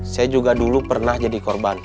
saya juga dulu pernah jadi korban